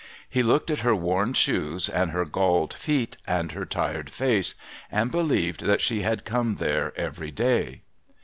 He looked at her worn shoes, and her galled feet, and her tired face, and believed that she had come there every day.